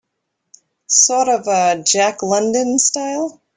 Sort of a Jack London style?